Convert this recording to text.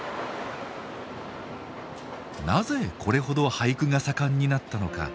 なぜこれほど俳句が盛んになったのか。